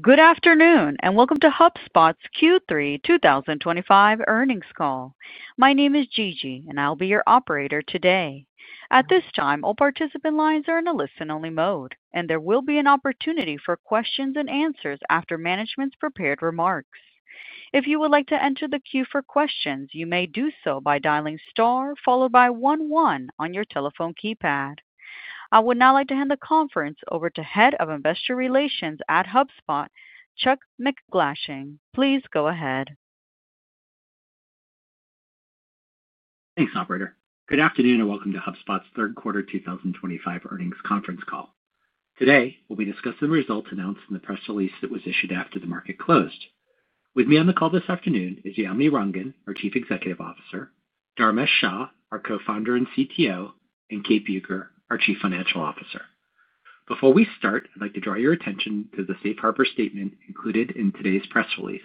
Good afternoon and welcome to HubSpot's Q3 2025 Earnings Call. My name is Gigi, and I'll be your operator today. At this time, all participant lines are in a listen-only mode, and there will be an opportunity for questions and answers after management's prepared remarks. If you would like to enter the queue for questions, you may do so by dialing star followed by one one on your telephone keypad. I would now like to hand the conference over to Head of Investor Relations at HubSpot, Chuck MacGlashing. Please go ahead. Thanks, Operator. Good afternoon and welcome to HubSpot's third quarter 2025 earnings conference call. Today, we'll be discussing the results announced in the press release that was issued after the market closed. With me on the call this afternoon is Yamini Rangan, our Chief Executive Officer, Dharmesh Shah, our Co-founder and CTO, and Kate Bueker, our Chief Financial Officer. Before we start, I'd like to draw your attention to the Safe Harbor statement included in today's press release.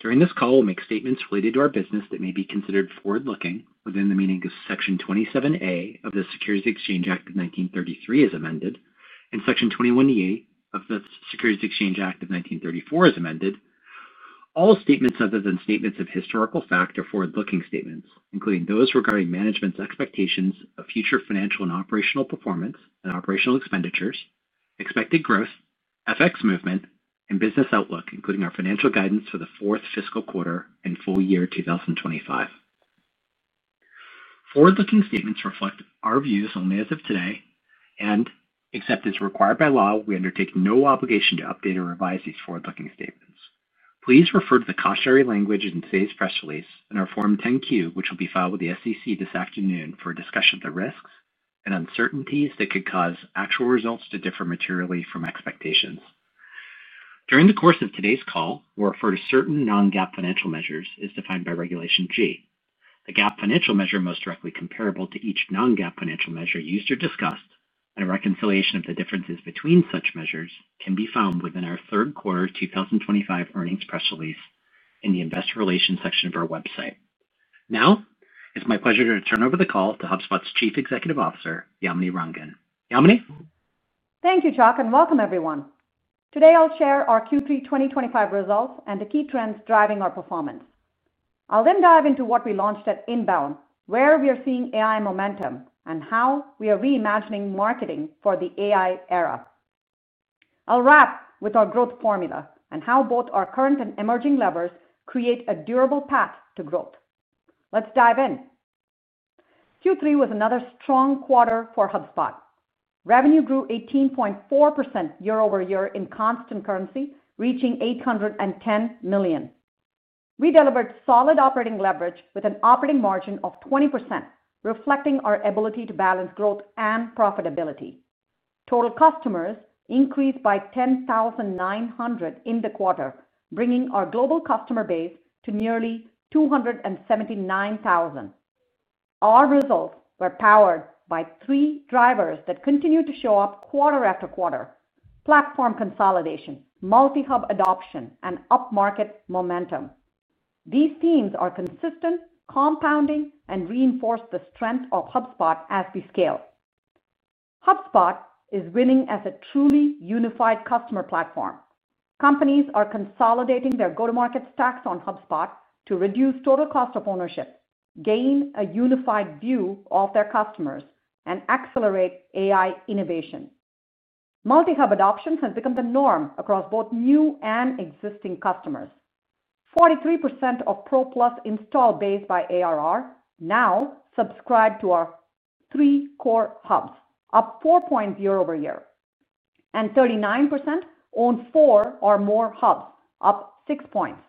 During this call, we'll make statements related to our business that may be considered forward-looking within the meaning of Section 27A of the Securities Exchange Act of 1933, as amended, and Section 21A of the Securities Exchange Act of 1934, as amended. All statements other than statements of historical fact are forward-looking statements, including those regarding management's expectations of future financial and operational performance and operational expenditures, expected growth, FX movement, and business outlook, including our financial guidance for the fourth fiscal quarter and full year 2025. Forward-looking statements reflect our views only as of today and, except as required by law, we undertake no obligation to update or revise these forward-looking statements. Please refer to the cautionary language in today's press release and our Form 10-Q, which will be filed with the SEC this afternoon for a discussion of the risks and uncertainties that could cause actual results to differ materially from expectations. During the course of today's call, we'll refer to certain non-GAAP financial measures as defined by Regulation G. The GAAP financial measure most directly comparable to each non-GAAP financial measure used or discussed, and a reconciliation of the differences between such measures, can be found within our third quarter 2025 earnings press release in the Investor Relations section of our website. Now, it's my pleasure to turn over the call to HubSpot's Chief Executive Officer, Yamini Rangan. Yamini? Thank you, Chuck, and welcome, everyone. Today, I'll share our Q3 2025 results and the key trends driving our performance. I'll then dive into what we launched at Inbound, where we are seeing AI momentum, and how we are reimagining marketing for the AI era. I'll wrap with our growth formula and how both our current and emerging levers create a durable path to growth. Let's dive in. Q3 was another strong quarter for HubSpot. Revenue grew 18.4% year-over-year in constant currency, reaching $810 million. We delivered solid operating leverage with an operating margin of 20%, reflecting our ability to balance growth and profitability. Total customers increased by 10,900 in the quarter, bringing our global customer base to nearly 279,000. Our results were powered by three drivers that continue to show up quarter after quarter: platform consolidation, multi-hub adoption, and up-market momentum. These themes are consistent, compounding, and reinforce the strength of HubSpot as we scale. HubSpot is winning as a truly unified customer platform. Companies are consolidating their go-to-market stacks on HubSpot to reduce total cost of ownership, gain a unified view of their customers, and accelerate AI innovation. Multi-hub adoption has become the norm across both new and existing customers. 43% of Pro Plus installed base by ARR now subscribe to our three core hubs, up 4% over year, and 39% own four or more hubs, up 6 percentage points.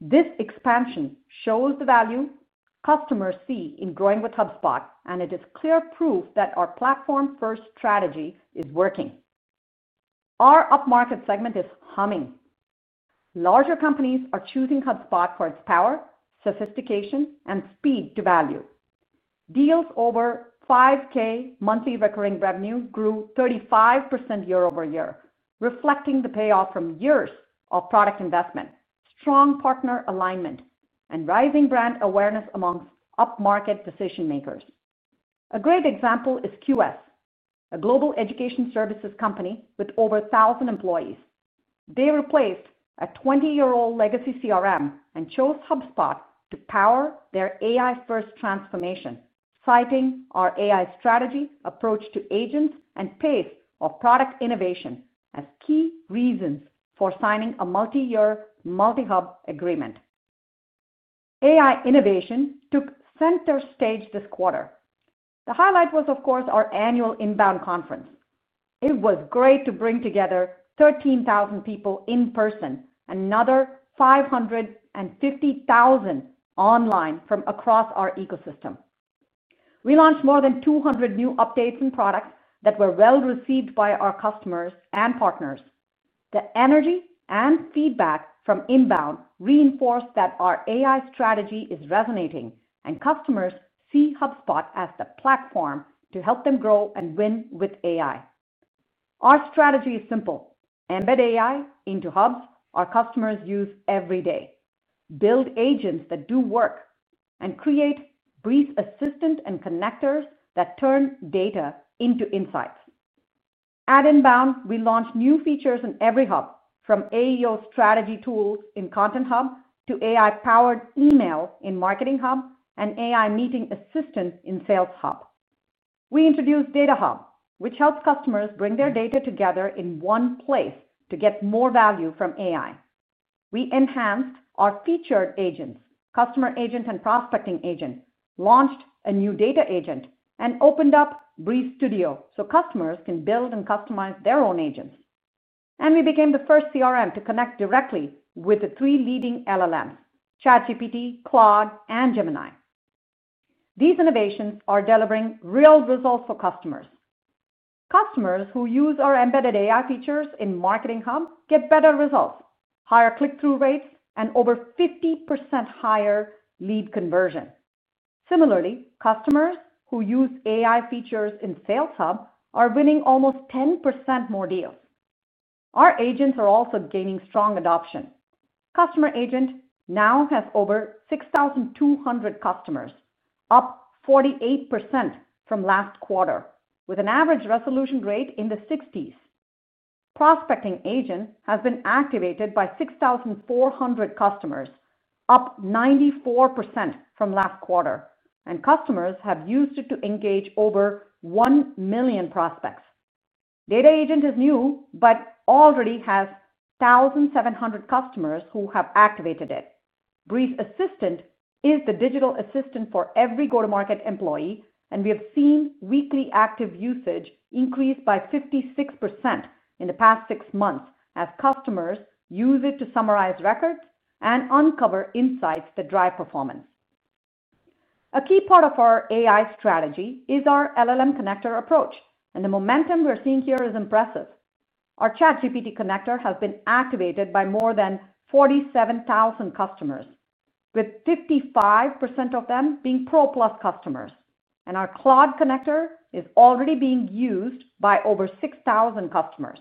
This expansion shows the value customers see in growing with HubSpot, and it is clear proof that our platform-first strategy is working. Our up-market segment is humming. Larger companies are choosing HubSpot for its power, sophistication, and speed to value. Deals over $5,000 monthly recurring revenue grew 35% year-over-year, reflecting the payoff from years of product investment, strong partner alignment, and rising brand awareness amongst up-market decision-makers. A great example is QS, a global education services company with over 1,000 employees. They replaced a 20-year-old legacy CRM and chose HubSpot to power their AI-first transformation, citing our AI strategy, approach to agents, and pace of product innovation as key reasons for signing a multi-year multi-hub agreement. AI innovation took center stage this quarter. The highlight was, of course, our annual Inbound conference. It was great to bring together 13,000 people in person and another 550,000 online from across our ecosystem. We launched more than 200 new updates and products that were well received by our customers and partners. The energy and feedback from Inbound reinforced that our AI strategy is resonating, and customers see HubSpot as the platform to help them grow and win with AI. Our strategy is simple: embed AI into hubs our customers use every day, build agents that do work, and create Breeze Assistant and connectors that turn data into insights. At Inbound, we launched new features in every hub, from AEO strategy tools in Content Hub to AI-powered email in Marketing Hub and AI meeting assistance in Sales Hub. We introduced Data Hub, which helps customers bring their data together in one place to get more value from AI. We enhanced our featured agents, Customer Agent and Prospecting Agent, launched a new Data Agent, and opened up Brief Studio so customers can build and customize their own agents. We became the first CRM to connect directly with the three leading LLMs: ChatGPT, Claude, and Gemini. These innovations are delivering real results for customers. Customers who use our embedded AI features in Marketing Hub get better results, higher click-through rates, and over 50% higher lead conversion. Similarly, customers who use AI features in Sales Hub are winning almost 10% more deals. Our agents are also gaining strong adoption. Customer Agent now has over 6,200 customers, up 48% from last quarter, with an average resolution rate in the 60s. Prospecting Agent has been activated by 6,400 customers, up 94% from last quarter, and customers have used it to engage over 1 million prospects. Data Agent is new but already has 1,700 customers who have activated it. Breeze Assistant is the digital assistant for every go-to-market employee, and we have seen weekly active usage increase by 56% in the past six months as customers use it to summarize records and uncover insights that drive performance. A key part of our AI strategy is our LLM connector approach, and the momentum we are seeing here is impressive. Our ChatGPT connector has been activated by more than 47,000 customers, with 55% of them being Pro Plus customers, and our Claude connector is already being used by over 6,000 customers.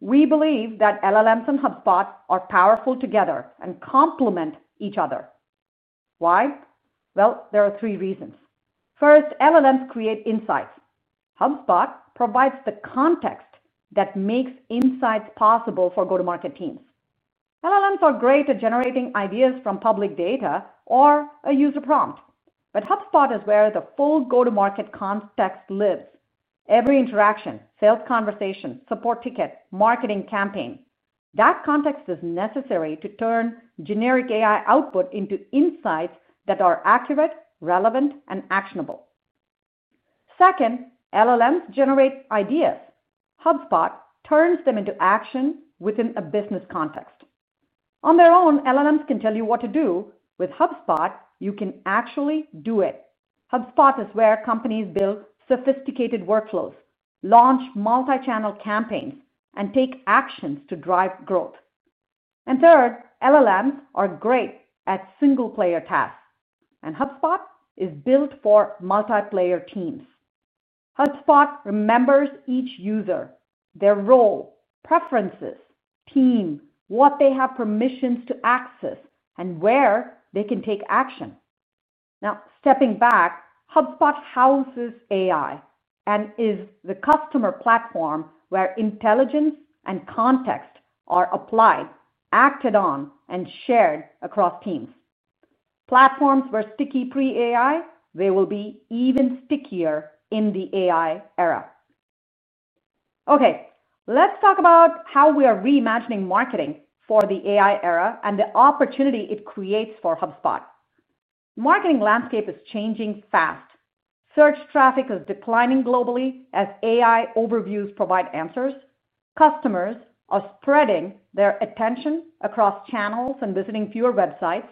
We believe that LLMs and HubSpot are powerful together and complement each other. Why? There are three reasons. First, LLMs create insights. HubSpot provides the context that makes insights possible for go-to-market teams. LLMs are great at generating ideas from public data or a user prompt, but HubSpot is where the full go-to-market context lives. Every interaction, sales conversation, support ticket, marketing campaign, that context is necessary to turn generic AI output into insights that are accurate, relevant, and actionable. Second, LLMs generate ideas. HubSpot turns them into action within a business context. On their own, LLMs can tell you what to do. With HubSpot, you can actually do it. HubSpot is where companies build sophisticated workflows, launch multi-channel campaigns, and take actions to drive growth. Third, LLMs are great at single-player tasks, and HubSpot is built for multi-player teams. HubSpot remembers each user, their role, preferences, team, what they have permissions to access, and where they can take action. Now, stepping back, HubSpot houses AI and is the customer platform where intelligence and context are applied, acted on, and shared across teams. Platforms were sticky pre-AI. They will be even stickier in the AI era. Okay, let's talk about how we are reimagining marketing for the AI era and the opportunity it creates for HubSpot. The marketing landscape is changing fast. Search traffic is declining globally as AI overviews provide answers. Customers are spreading their attention across channels and visiting fewer websites.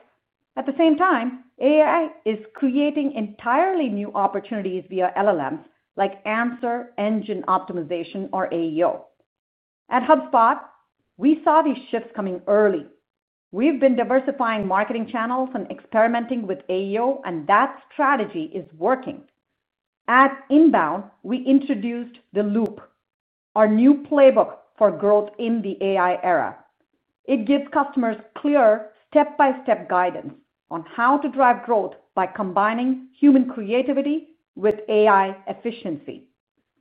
At the same time, AI is creating entirely new opportunities via LLMs like answer engine optimization or AEO. At HubSpot, we saw these shifts coming early. We've been diversifying marketing channels and experimenting with AEO, and that strategy is working. At Inbound, we introduced the Loop, our new playbook for growth in the AI era. It gives customers clear step-by-step guidance on how to drive growth by combining human creativity with AI efficiency.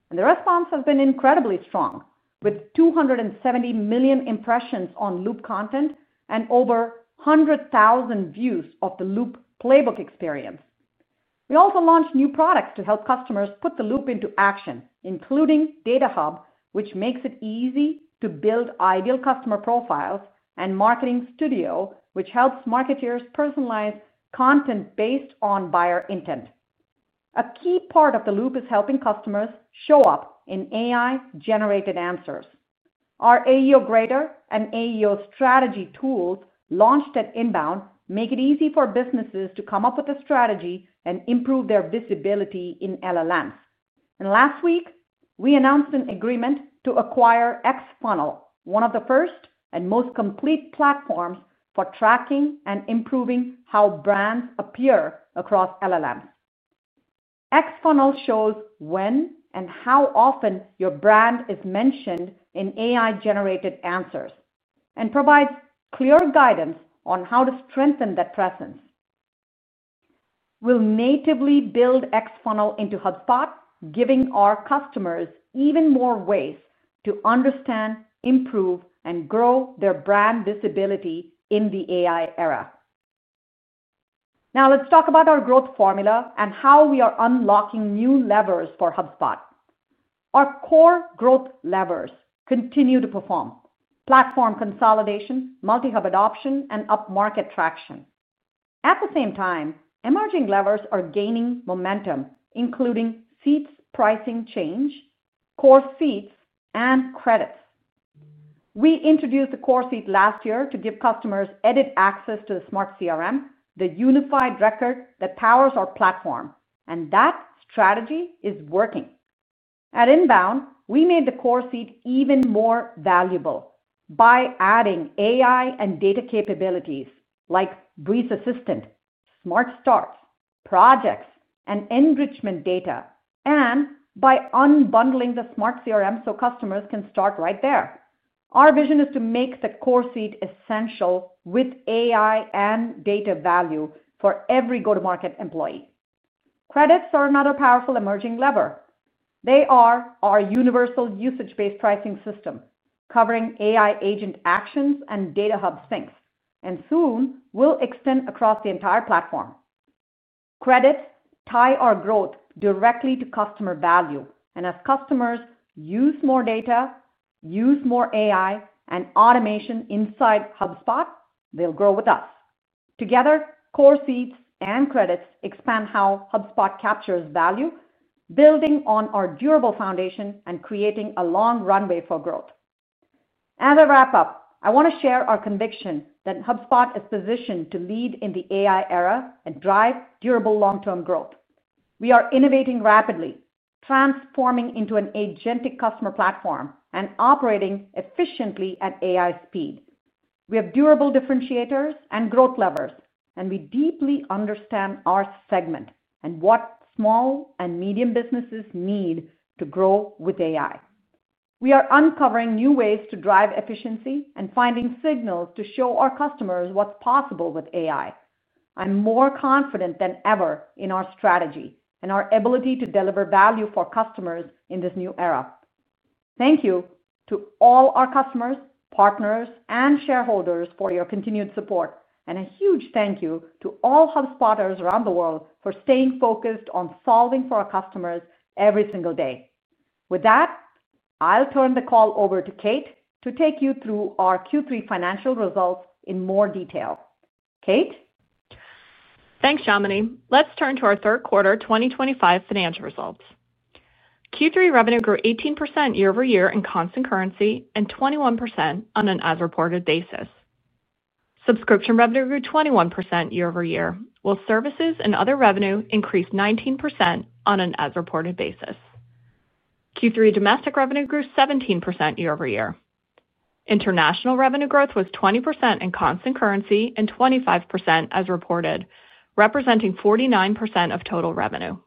The response has been incredibly strong, with 270 million impressions on Loop content and over 100,000 views of the Loop playbook experience. We also launched new products to help customers put the Loop into action, including Data Hub, which makes it easy to build ideal customer profiles, and Marketing Studio, which helps marketers personalize content based on buyer intent. A key part of the Loop is helping customers show up in AI-generated answers. Our AEO Grader and AEO Strategy Tools launched at Inbound make it easy for businesses to come up with a strategy and improve their visibility in LLMs. Last week, we announced an agreement to acquire XFunnel, one of the first and most complete platforms for tracking and improving how brands appear across LLMs. XFunnel shows when and how often your brand is mentioned in AI-generated answers and provides clear guidance on how to strengthen that presence. We'll natively build XFunnel into HubSpot, giving our customers even more ways to understand, improve, and grow their brand visibility in the AI era. Now, let's talk about our growth formula and how we are unlocking new levers for HubSpot. Our core growth levers continue to perform: platform consolidation, multi-hub adoption, and up-market traction. At the same time, emerging levers are gaining momentum, including seats pricing change, core seats, and credits. We introduced the core seat last year to give customers edit access to the Smart CRM, the unified record that powers our platform, and that strategy is working. At Inbound, we made the core seat even more valuable by adding AI and data capabilities like Breeze Assistant, Smart Starts, projects, and enrichment data, and by unbundling the Smart CRM so customers can start right there. Our vision is to make the core seat essential with AI and data value for every go-to-market employee. Credits are another powerful emerging lever. They are our universal usage-based pricing system, covering AI agent actions and Data Hub syncs, and soon will extend across the entire platform. Credits tie our growth directly to customer value, and as customers use more data, use more AI, and automation inside HubSpot, they'll grow with us. Together, core seats and credits expand how HubSpot captures value, building on our durable foundation and creating a long runway for growth. As I wrap up, I want to share our conviction that HubSpot is positioned to lead in the AI era and drive durable long-term growth. We are innovating rapidly. Transforming into an agentic customer platform and operating efficiently at AI speed. We have durable differentiators and growth levers, and we deeply understand our segment and what small and medium businesses need to grow with AI. We are uncovering new ways to drive efficiency and finding signals to show our customers what's possible with AI. I'm more confident than ever in our strategy and our ability to deliver value for customers in this new era. Thank you to all our customers, partners, and shareholders for your continued support, and a huge thank you to all HubSpotters around the world for staying focused on solving for our customers every single day. With that, I'll turn the call over to Kate to take you through our Q3 financial results in more detail. Kate. Thanks, Yamini. Let's turn to our third quarter 2025 financial results. Q3 revenue grew 18% year-over-year in constant currency and 21% on an as-reported basis. Subscription revenue grew 21% year-over-year, while services and other revenue increased 19% on an as-reported basis. Q3 domestic revenue grew 17% year-over-year. International revenue growth was 20% in constant currency and 25% as reported, representing 49% of total revenue.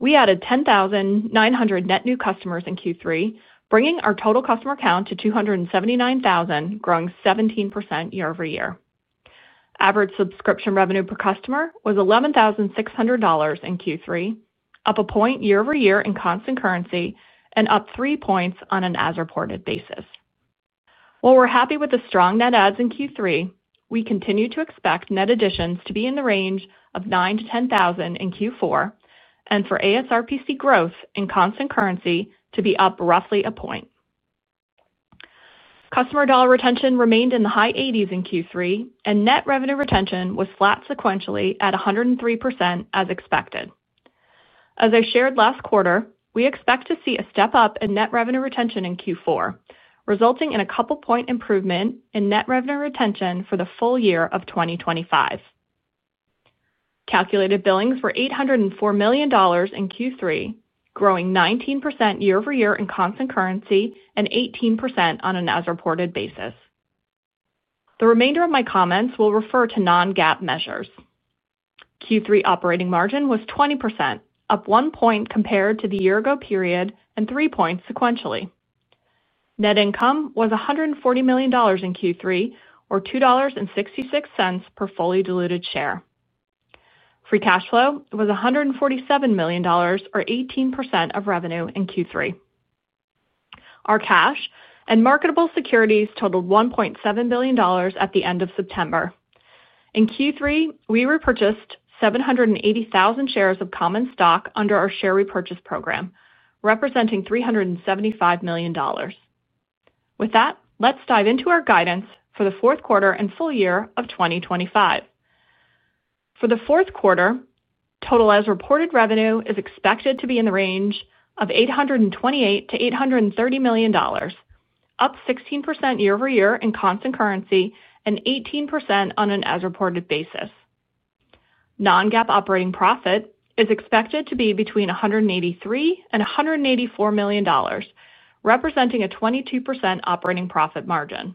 We added 10,900 net new customers in Q3, bringing our total customer count to 279,000, growing 17% year-over-year. Average subscription revenue per customer was $11,600 in Q3, up a point year-over-year in constant currency and up three points on an as-reported basis. While we're happy with the strong net adds in Q3, we continue to expect net additions to be in the range of 9,000-10,000 in Q4, and for ASRPC growth in constant currency to be up roughly a point. Customer dollar retention remained in the high 80s in Q3, and net revenue retention was flat sequentially at 103% as expected. As I shared last quarter, we expect to see a step up in net revenue retention in Q4, resulting in a couple-point improvement in net revenue retention for the full year of 2025. Calculated billings were $804 million in Q3, growing 19% year-over-year in constant currency and 18% on an as-reported basis. The remainder of my comments will refer to non-GAAP measures. Q3 operating margin was 20%, up one percentage point compared to the year-ago period and three percentage points sequentially. Net income was $140 million in Q3, or $2.66 per fully diluted share. Free cash flow was $147 million, or 18% of revenue in Q3. Our cash and marketable securities totaled $1.7 billion at the end of September. In Q3, we repurchased 780,000 shares of common stock under our share repurchase program, representing $375 million. With that, let's dive into our guidance for the fourth quarter and full year of 2025. For the fourth quarter, total as-reported revenue is expected to be in the range of $828 million-$830 million, up 16% year-over-year in constant currency and 18% on an as-reported basis. Non-GAAP operating profit is expected to be between $183 million-$184 million, representing a 22% operating profit margin.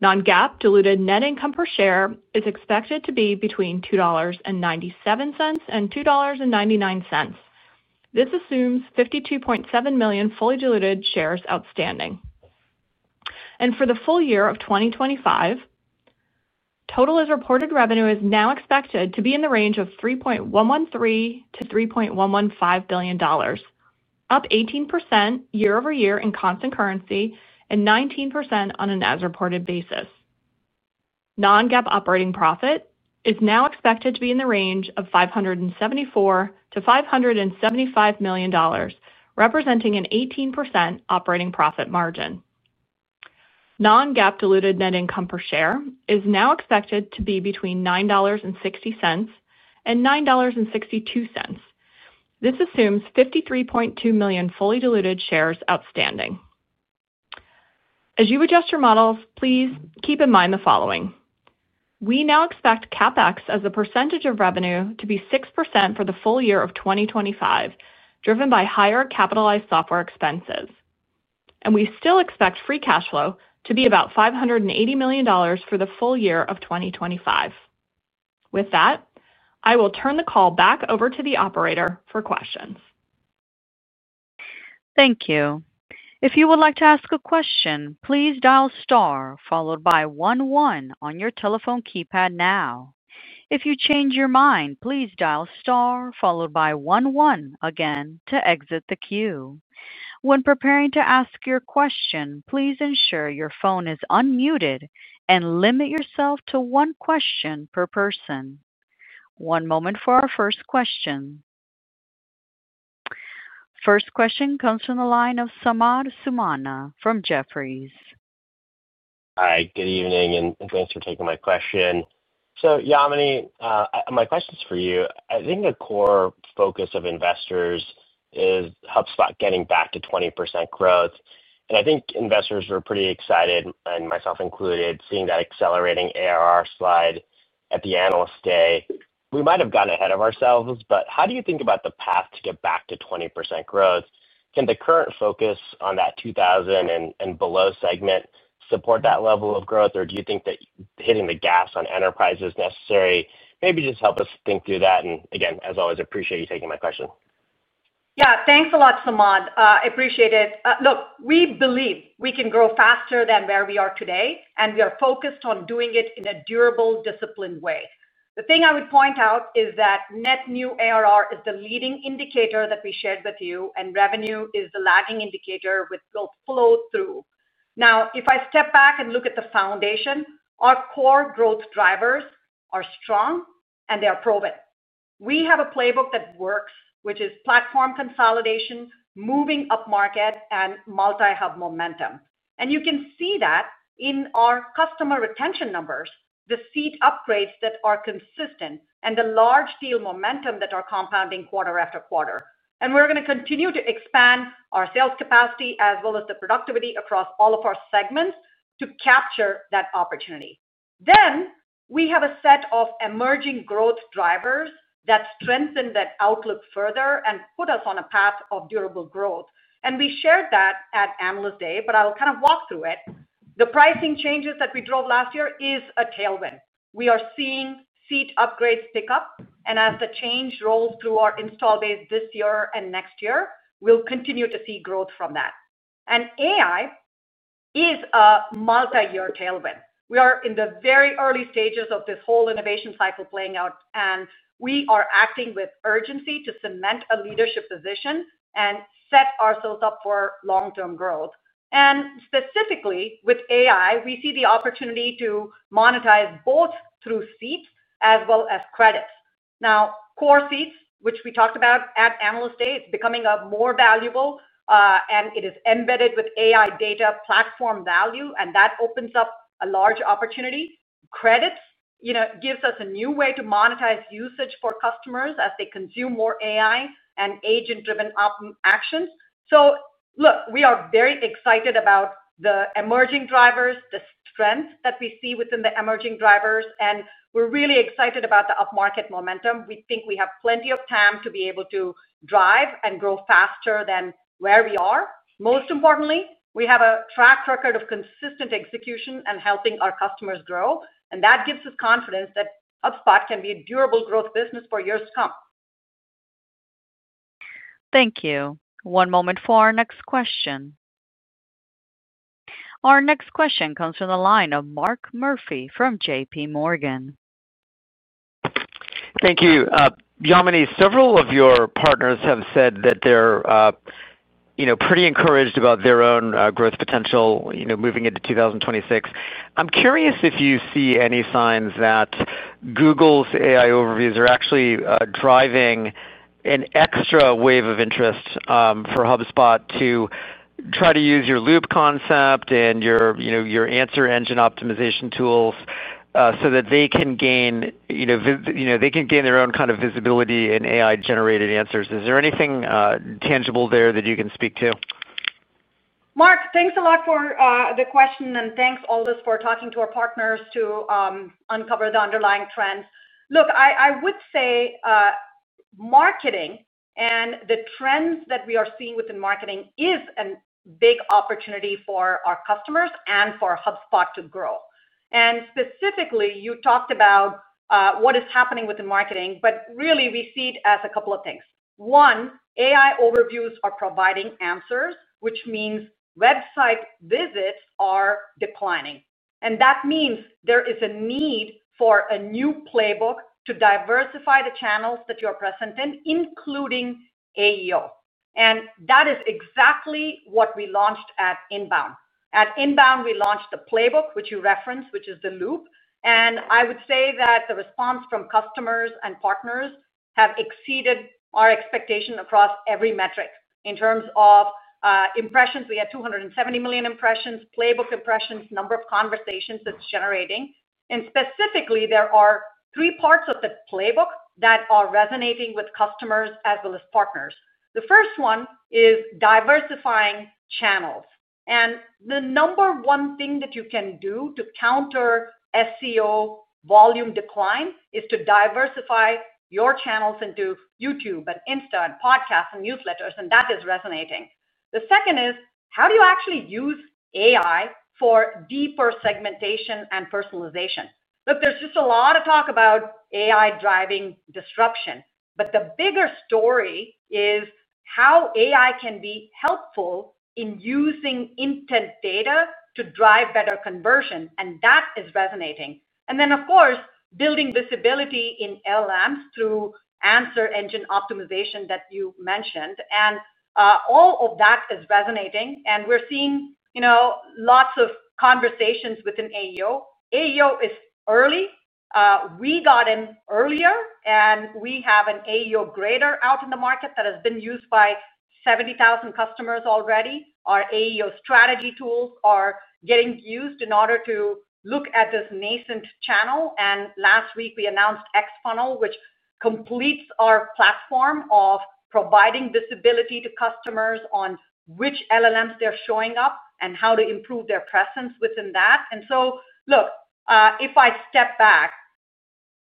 Non-GAAP diluted net income per share is expected to be between $2.97-$2.99. This assumes 52.7 million fully diluted shares outstanding. For the full year of 2025, total as-reported revenue is now expected to be in the range of $3.113-$3.115 billion, up 18% year-over-year in constant currency and 19% on an as-reported basis. Non-GAAP operating profit is now expected to be in the range of $574 million-$575 million, representing an 18% operating profit margin. Non-GAAP diluted net income per share is now expected to be between $9.60 and $9.62. This assumes 53.2 million fully diluted shares outstanding. As you adjust your models, please keep in mind the following. We now expect CapEx as a percentage of revenue to be 6% for the full year of 2025, driven by higher capitalized software expenses. We still expect free cash flow to be about $580 million for the full year of 2025. With that, I will turn the call back over to the operator for questions. Thank you. If you would like to ask a question, please dial star followed by one one on your telephone keypad now. If you change your mind, please dial star followed by one one again to exit the queue. When preparing to ask your question, please ensure your phone is unmuted and limit yourself to one question per person. One moment for our first question. First question comes from the line of Samad Samana from Jefferies. Hi, good evening and thanks for taking my question. So Yamini, my question is for you. I think the core focus of investors is HubSpot getting back to 20% growth. I think investors were pretty excited, and myself included, seeing that accelerating ARR slide at the analyst day. We might have gotten ahead of ourselves, but how do you think about the path to get back to 20% growth? Can the current focus on that 2,000 and below segment support that level of growth, or do you think that hitting the gas on enterprise is necessary? Maybe just help us think through that. Again, as always, I appreciate you taking my question. Yeah, thanks a lot, Samad. I appreciate it. Look, we believe we can grow faster than where we are today, and we are focused on doing it in a durable, disciplined way. The thing I would point out is that net new ARR is the leading indicator that we shared with you, and revenue is the lagging indicator with growth flow through. Now, if I step back and look at the foundation, our core growth drivers are strong, and they are proven. We have a playbook that works, which is platform consolidation, moving up market, and multi-hub momentum. You can see that in our customer retention numbers, the seat upgrades that are consistent, and the large deal momentum that are compounding quarter after quarter. We are going to continue to expand our sales capacity as well as the productivity across all of our segments to capture that opportunity. We have a set of emerging growth drivers that strengthen that outlook further and put us on a path of durable growth. We shared that at analyst day, but I'll kind of walk through it. The pricing changes that we drove last year is a tailwind. We are seeing seat upgrades pick up, and as the change rolls through our install base this year and next year, we'll continue to see growth from that. AI is a multi-year tailwind. We are in the very early stages of this whole innovation cycle playing out, and we are acting with urgency to cement a leadership position and set ourselves up for long-term growth. Specifically with AI, we see the opportunity to monetize both through seats as well as credits. Now, core seats, which we talked about at analyst day, is becoming more valuable. It is embedded with AI data platform value, and that opens up a large opportunity. Credits gives us a new way to monetize usage for customers as they consume more AI and agent-driven actions. Look, we are very excited about the emerging drivers, the strength that we see within the emerging drivers, and we are really excited about the up-market momentum. We think we have plenty of time to be able to drive and grow faster than where we are. Most importantly, we have a track record of consistent execution and helping our customers grow, and that gives us confidence that HubSpot can be a durable growth business for years to come. Thank you. One moment for our next question. Our next question comes from the line of Mark Murphy from JPMorgan. Thank you. Yamini, several of your partners have said that they're pretty encouraged about their own growth potential moving into 2026. I'm curious if you see any signs that Google's AI overviews are actually driving an extra wave of interest for HubSpot to try to use your Loop concept and your answer engine optimization tools so that they can gain their own kind of visibility in AI-generated answers. Is there anything tangible there that you can speak to? Mark, thanks a lot for the question, and thanks all of us for talking to our partners to uncover the underlying trends. Look, I would say marketing and the trends that we are seeing within marketing is a big opportunity for our customers and for HubSpot to grow. Specifically, you talked about what is happening within marketing, but really we see it as a couple of things. One, AI overviews are providing answers, which means website visits are declining. That means there is a need for a new playbook to diversify the channels that you are present in, including AEO. That is exactly what we launched at Inbound. At Inbound, we launched the playbook, which you referenced, which is the Loop. I would say that the response from customers and partners have exceeded our expectation across every metric. In terms of impressions, we had 270 million impressions, playbook impressions, number of conversations it's generating. Specifically, there are three parts of the playbook that are resonating with customers as well as partners. The first one is diversifying channels. The number one thing that you can do to counter SEO volume decline is to diversify your channels into YouTube and Insta and podcasts and newsletters, and that is resonating. The second is, how do you actually use AI for deeper segmentation and personalization? Look, there's just a lot of talk about AI driving disruption, but the bigger story is how AI can be helpful in using intent data to drive better conversion, and that is resonating. Of course, building visibility in LLMs through answer engine optimization that you mentioned. All of that is resonating, and we're seeing lots of conversations within AEO. AEO is early. We got in earlier, and we have an AEO Grader out in the market that has been used by 70,000 customers already. Our AEO Strategy Tools are getting used in order to look at this nascent channel. Last week, we announced XFunnel, which completes our platform of providing visibility to customers on which LLMs they're showing up and how to improve their presence within that. If I step back,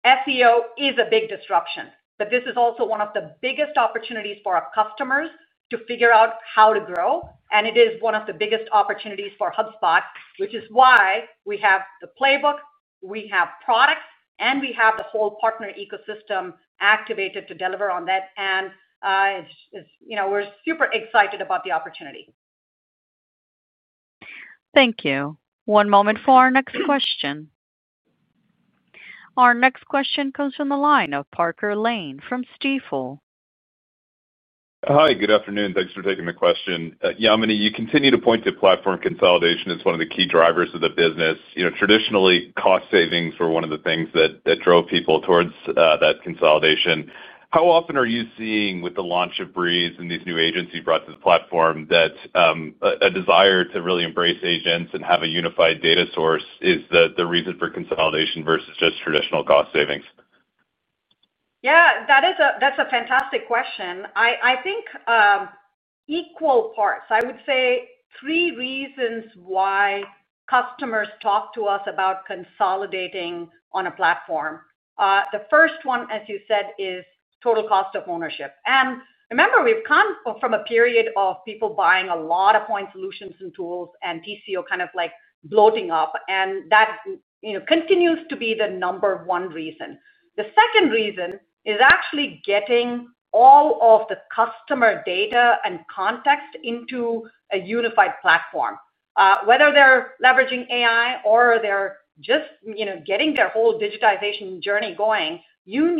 SEO is a big disruption, but this is also one of the biggest opportunities for our customers to figure out how to grow. It is one of the biggest opportunities for HubSpot, which is why we have the playbook, we have products, and we have the whole partner ecosystem activated to deliver on that. We are super excited about the opportunity. Thank you. One moment for our next question. Our next question comes from the line of Parker Lane from Stifel. Hi, good afternoon. Thanks for taking the question. Yamini, you continue to point to platform consolidation as one of the key drivers of the business. Traditionally, cost savings were one of the things that drove people towards that consolidation. How often are you seeing with the launch of Breeze and these new agents you brought to the platform that A desire to really embrace agents and have a unified data source is the reason for consolidation versus just traditional cost savings? Yeah, that's a fantastic question. I think equal parts. I would say three reasons why customers talk to us about consolidating on a platform. The first one, as you said, is total cost of ownership. Remember, we've come from a period of people buying a lot of point solutions and tools and TCO kind of like bloating up, and that continues to be the number one reason. The second reason is actually getting all of the customer data and context into a unified platform. Whether they're leveraging AI or they're just getting their whole digitization journey going, you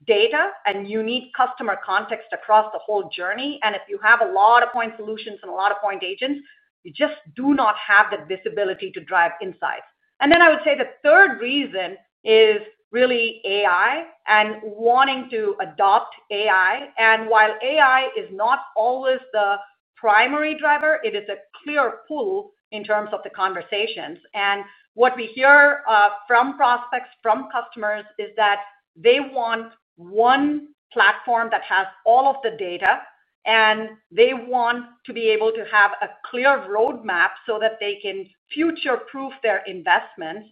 need data and you need customer context across the whole journey. If you have a lot of point solutions and a lot of point agents, you just do not have the visibility to drive insights. I would say the third reason is really AI and wanting to adopt AI. While AI is not always the primary driver, it is a clear pull in terms of the conversations. What we hear from prospects, from customers, is that they want one platform that has all of the data, and they want to be able to have a clear roadmap so that they can future-proof their investments.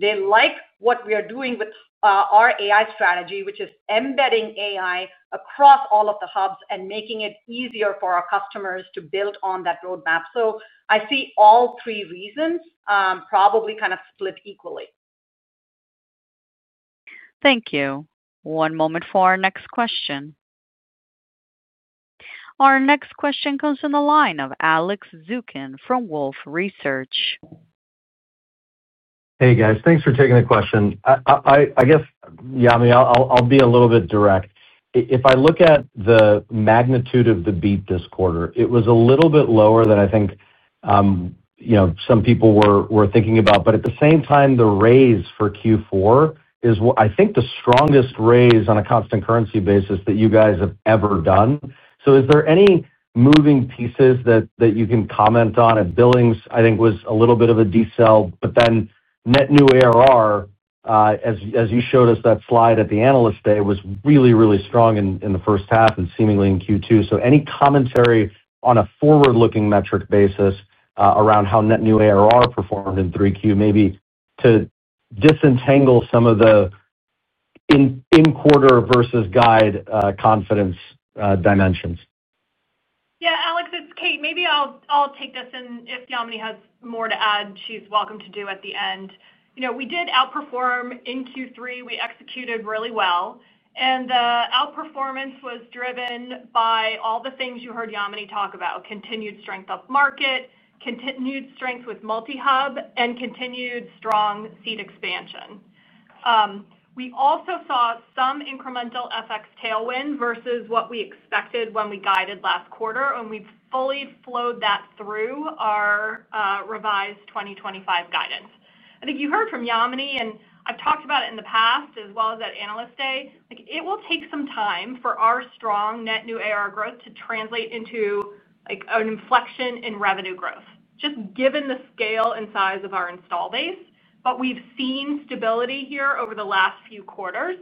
They like what we are doing with our AI strategy, which is embedding AI across all of the hubs and making it easier for our customers to build on that roadmap. I see all three reasons probably kind of split equally. Thank you. One moment for our next question. Our next question comes from the line of Alex Zukin from Wolfe Research. Hey, guys, thanks for taking the question. I guess, Yamini, I'll be a little bit direct. If I look at the magnitude of the beat this quarter, it was a little bit lower than I think some people were thinking about. At the same time, the raise for Q4 is, I think, the strongest raise on a constant currency basis that you guys have ever done. Is there any moving pieces that you can comment on? Billings, I think, was a little bit of a desell, but then net new ARR, as you showed us that slide at the analyst day, was really, really strong in the first half and seemingly in Q2. Any commentary on a forward-looking metric basis around how net new ARR performed in 3Q, maybe to disentangle some of the in-quarter versus guide confidence dimensions? Yeah, Alex, it's Kate. Maybe I'll take this, and if Yamini has more to add, she's welcome to do at the end. We did outperform in Q3. We executed really well. The outperformance was driven by all the things you heard Yamini talk about: continued strength of market, continued strength with multi-hub, and continued strong seat expansion. We also saw some incremental FX tailwind versus what we expected when we guided last quarter, and we've fully flowed that through our revised 2025 guidance. I think you heard from Yamini, and I've talked about it in the past as well as at analyst day. It will take some time for our strong net new ARR growth to translate into. An inflection in revenue growth, just given the scale and size of our install base. We have seen stability here over the last few quarters.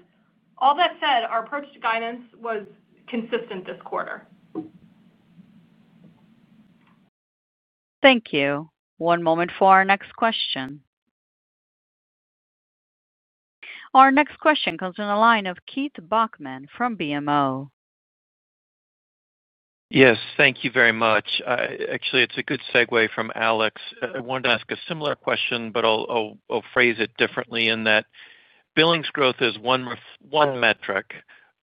All that said, our approach to guidance was consistent this quarter. Thank you. One moment for our next question. Our next question comes from the line of Keith Bachman from BMO. Yes, thank you very much. Actually, it is a good segue from Alex. I wanted to ask a similar question, but I will phrase it differently in that billings growth is one metric.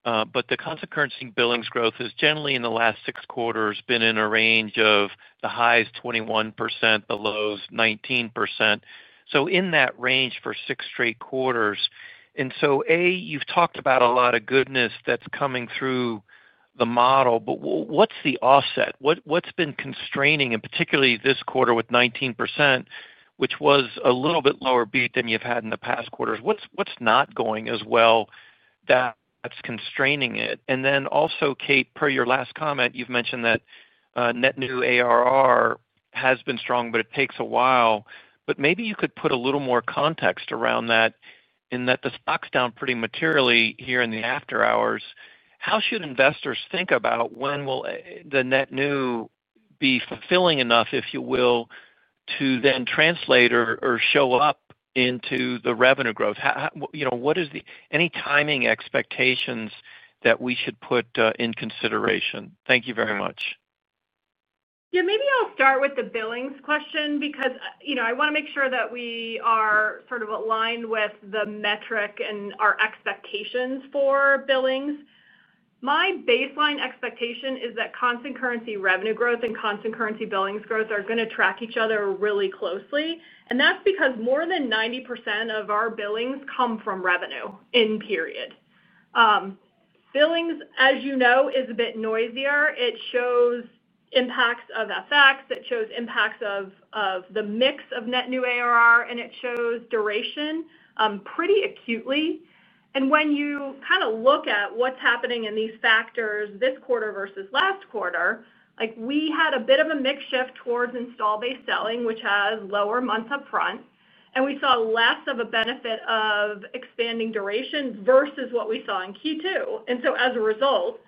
The consequencing billings growth has generally, in the last six quarters, been in a range of the highs 21%, the lows 19%. In that range for six straight quarters. A, you have talked about a lot of goodness that is coming through the model, but what is the offset? What's been constraining, and particularly this quarter with 19%, which was a little bit lower beat than you've had in the past quarters? What's not going as well that's constraining it? Also, Kate, per your last comment, you've mentioned that net new ARR has been strong, but it takes a while. Maybe you could put a little more context around that in that the stock's down pretty materially here in the after hours. How should investors think about when will the net new be fulfilling enough, if you will, to then translate or show up into the revenue growth? What is the any timing expectations that we should put in consideration? Thank you very much. Yeah, maybe I'll start with the billings question because I want to make sure that we are sort of aligned with the metric and our expectations for billings. My baseline expectation is that constant currency revenue growth and constant currency billings growth are going to track each other really closely. That's because more than 90% of our billings come from revenue in period. Billings, as you know, is a bit noisier. It shows impacts of FX. It shows impacts of the mix of net new ARR, and it shows duration pretty acutely. When you kind of look at what's happening in these factors this quarter versus last quarter, we had a bit of a mix shift towards install-based selling, which has lower months upfront. We saw less of a benefit of expanding duration versus what we saw in Q2. As a result,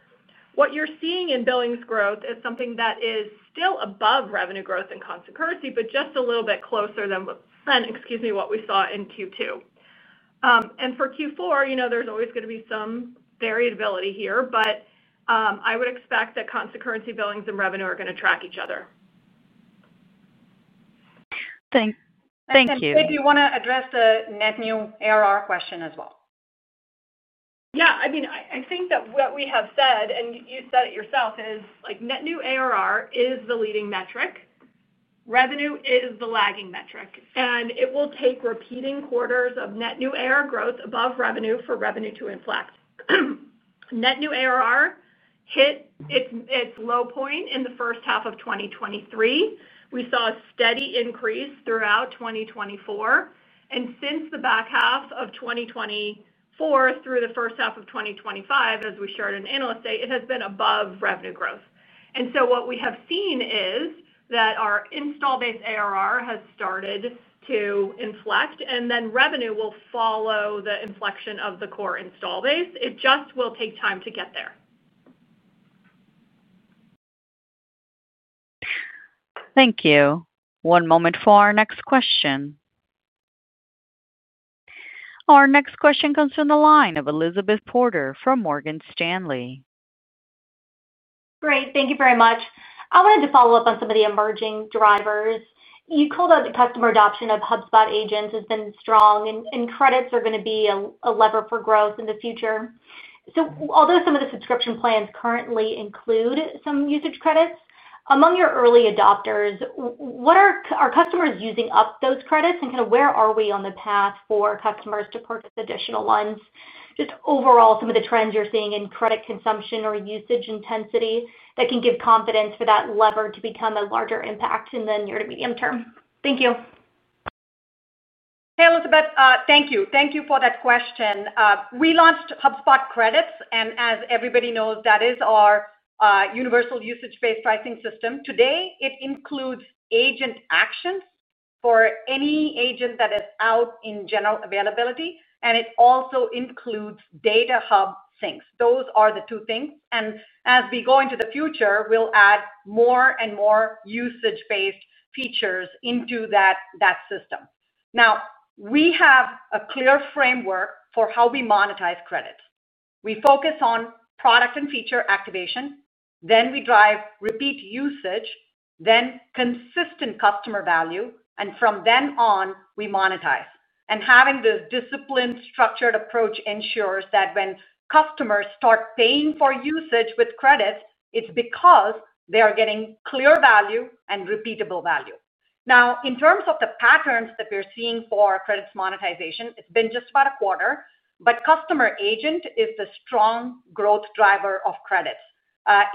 what you're seeing in billings growth is something that is still above revenue growth and consequency, but just a little bit closer than, excuse me, what we saw in Q2. For Q4, there's always going to be some variability here, but I would expect that calculated billings and revenue are going to track each other. Thank you. Kate, do you want to address the net new ARR question as well? Yeah, I mean, I think that what we have said, and you said it yourself, is net new ARR is the leading metric. Revenue is the lagging metric. And it will take repeating quarters of net new ARR growth above revenue for revenue to inflect. Net new ARR hit its low point in the first half of 2023. We saw a steady increase throughout 2024. And since the back half of 2024 through the first half of 2025, as we shared in analyst day, it has been above revenue growth. What we have seen is that our install-based ARR has started to inflect, and then revenue will follow the inflection of the core install base. It just will take time to get there. Thank you. One moment for our next question. Our next question comes from the line of Elizabeth Porter from Morgan Stanley. Great. Thank you very much. I wanted to follow up on some of the emerging drivers. You called out the customer adoption of HubSpot agents has been strong, and credits are going to be a lever for growth in the future. Although some of the subscription plans currently include some usage credits, among your early adopters, what are customers using up those credits? And kind of where are we on the path for customers to purchase additional ones? Just overall, some of the trends you're seeing in credit consumption or usage intensity that can give confidence for that lever to become a larger impact in the near to medium term. Thank you. Hey, Elizabeth. Thank you. Thank you for that question. We launched HubSpot credits, and as everybody knows, that is our universal usage-based pricing system. Today, it includes agent actions for any agent that is out in general availability, and it also includes Data Hub syncs. Those are the two things. As we go into the future, we'll add more and more usage-based features into that system. Now, we have a clear framework for how we monetize credits. We focus on product and feature activation. Then we drive repeat usage, then consistent customer value, and from then on, we monetize. Having this disciplined, structured approach ensures that when customers start paying for usage with credits, it's because they are getting clear value and repeatable value. Now, in terms of the patterns that we're seeing for credits monetization, it's been just about a quarter, but Customer Agent is the strong growth driver of credits.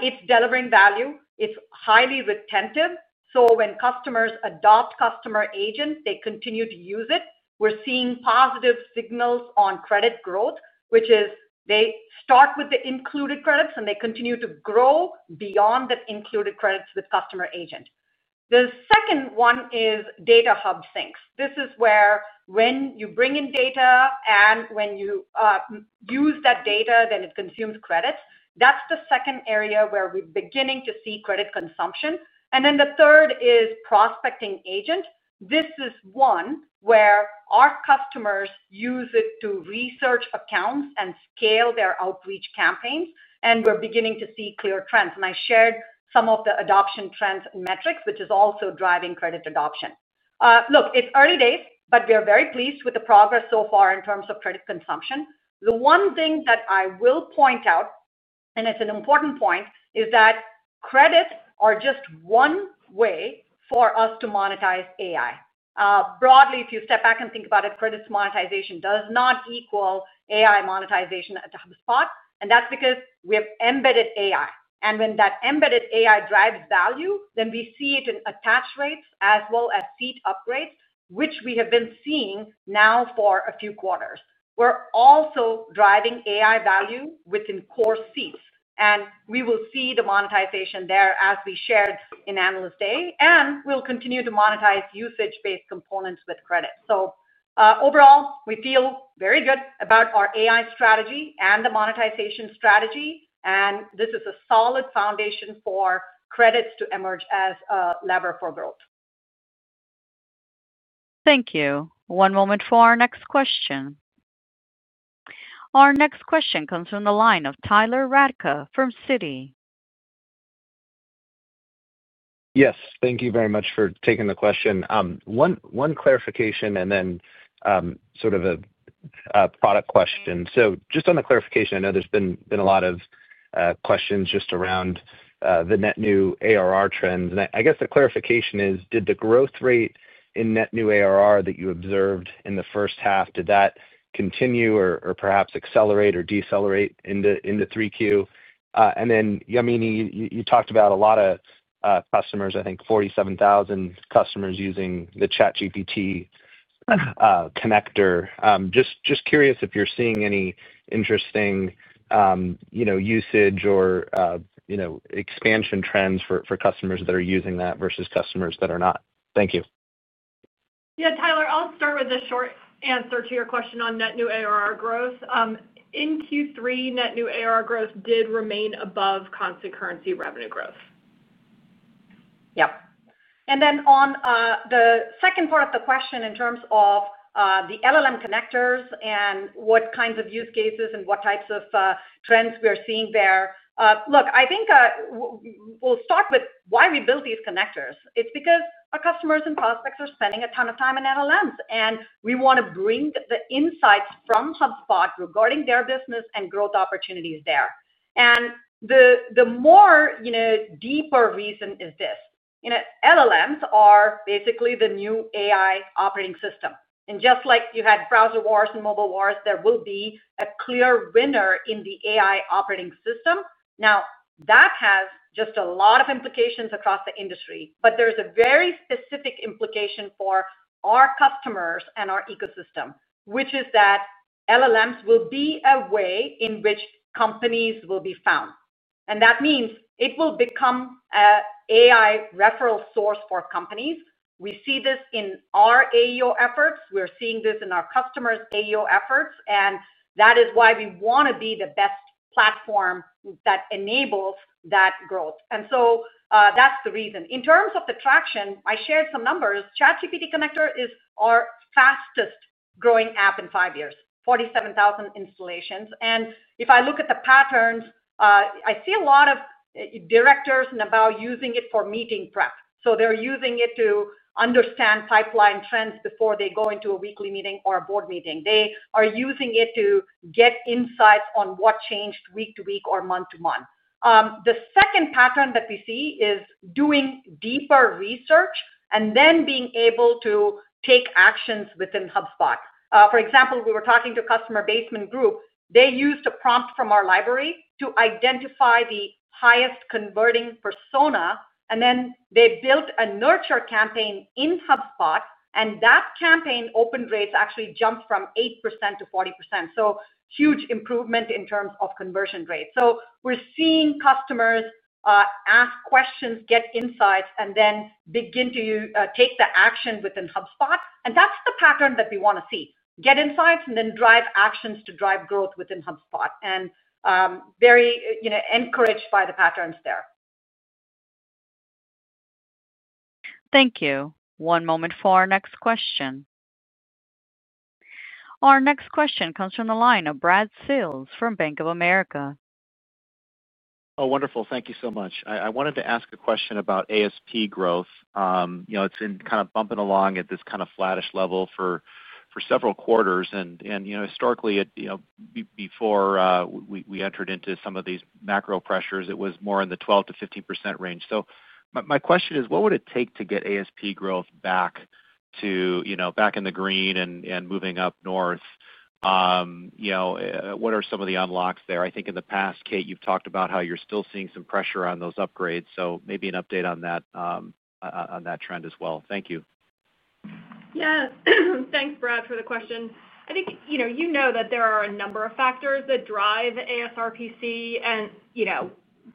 It's delivering value. It's highly retentive. When customers adopt Customer Agent, they continue to use it. We're seeing positive signals on credit growth, which is they start with the included credits and they continue to grow beyond the included credits with Customer Agent. The second one is Data Hub syncs. This is where when you bring in data and when you use that data, then it consumes credits. That's the second area where we're beginning to see credit consumption. The third is Prospecting Agent. This is one where our customers use it to research accounts and scale their outreach campaigns, and we're beginning to see clear trends. I shared some of the adoption trends and metrics, which is also driving credit adoption. Look, it's early days, but we are very pleased with the progress so far in terms of credit consumption. The one thing that I will point out, and it's an important point, is that credits are just one way for us to monetize AI. Broadly, if you step back and think about it, credits monetization does not equal AI monetization at HubSpot. That's because we have embedded AI. When that embedded AI drives value, then we see it in attach rates as well as seat upgrades, which we have been seeing now for a few quarters. We're also driving AI value within core seats. We will see the monetization there as we shared in analyst day, and we'll continue to monetize usage-based components with credits. Overall, we feel very good about our AI strategy and the monetization strategy. This is a solid foundation for credits to emerge as a lever for growth. Thank you. One moment for our next question. Our next question comes from the line of Tyler Radke from Citi. Yes, thank you very much for taking the question. One clarification and then sort of a product question. Just on the clarification, I know there's been a lot of questions just around the net new ARR trends. I guess the clarification is, did the growth rate in net new ARR that you observed in the first half, did that continue or perhaps accelerate or decelerate into 3Q? Then, Yamini, you talked about a lot of customers, I think 47,000 customers using the ChatGPT Connector. Just curious if you're seeing any interesting usage or expansion trends for customers that are using that versus customers that are not. Thank you. Yeah, Tyler, I'll start with a short answer to your question on net new ARR growth. In Q3, net new ARR growth did remain above constant currency revenue growth. Yep. On the second part of the question in terms of the LLM connectors and what kinds of use cases and what types of trends we're seeing there, look, I think we'll start with why we built these connectors. It's because our customers and prospects are spending a ton of time in LLMs, and we want to bring the insights from HubSpot regarding their business and growth opportunities there. The more deeper reason is this. LLMs are basically the new AI operating system. Just like you had browser wars and mobile wars, there will be a clear winner in the AI operating system. That has just a lot of implications across the industry, but there's a very specific implication for our customers and our ecosystem, which is that LLMs will be a way in which companies will be found. That means it will become an AI referral source for companies. We see this in our AEO efforts. We're seeing this in our customers' AEO efforts. That is why we want to be the best platform that enables that growth. That's the reason. In terms of the traction, I shared some numbers. ChatGPT Connector is our fastest growing app in five years, 47,000 installations. If I look at the patterns, I see a lot of. Directors and about using it for meeting prep. They are using it to understand pipeline trends before they go into a weekly meeting or a board meeting. They are using it to get insights on what changed week to week or month to month. The second pattern that we see is doing deeper research and then being able to take actions within HubSpot. For example, we were talking to Customer Basement Group. They used a prompt from our library to identify the highest converting persona, and then they built a nurture campaign in HubSpot, and that campaign open rates actually jumped from 8% to 40%. Huge improvement in terms of conversion rate. We are seeing customers ask questions, get insights, and then begin to take the action within HubSpot. That is the pattern that we want to see. Get insights and then drive actions to drive growth within HubSpot. Very encouraged by the patterns there. Thank you. One moment for our next question. Our next question comes from the line of Brad Sills from Bank of America. Oh, wonderful. Thank you so much. I wanted to ask a question about ASP growth. It's been kind of bumping along at this kind of flattish level for several quarters. And historically, before we entered into some of these macro pressures, it was more in the 12%-15% range. So my question is, what would it take to get ASP growth back in the green and moving up north? What are some of the unlocks there? I think in the past, Kate, you've talked about how you're still seeing some pressure on those upgrades. So maybe an update on that trend as well. Thank you. Yeah. Thanks, Brad, for the question. I think you know that there are a number of factors that drive ASRPC.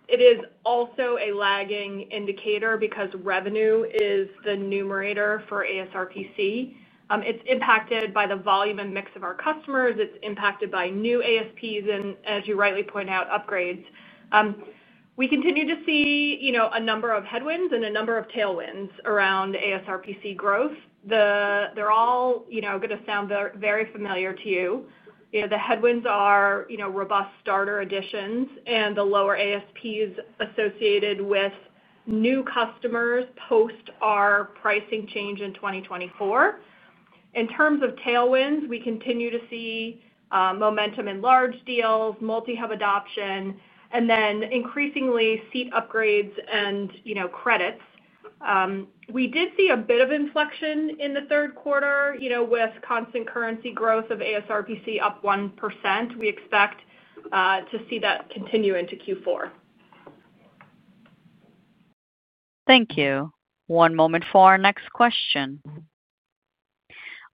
It is also a lagging indicator because revenue is the numerator for ASRPC. It's impacted by the volume and mix of our customers. It's impacted by new ASPs and, as you rightly point out, upgrades. We continue to see a number of headwinds and a number of tailwinds around ASRPC growth. They're all going to sound very familiar to you. The headwinds are robust starter additions and the lower ASPs associated with new customers post our pricing change in 2024. In terms of tailwinds, we continue to see momentum in large deals, multi-hub adoption, and then increasingly seat upgrades and credits. We did see a bit of inflection in the third quarter with constant currency growth of ASRPC up 1%. We expect to see that continue into Q4. Thank you. One moment for our next question.